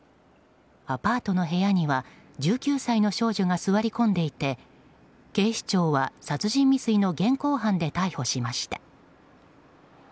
アパートの部屋には１９歳の少女が座り込んでいて警視庁は殺人未遂の現行犯で逮捕しました。